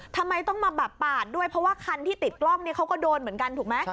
ทำไมต้องมาแบบปาดด้วยเพราะว่าคันที่ติดกล้องนี้เขาก็โดนเหมือนกันถูกไหม